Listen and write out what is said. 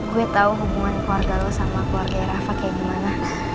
gue tahu hubungan keluarga lo sama keluarga rafa kayak gimana